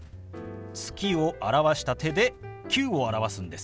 「月」を表した手で「９」を表すんです。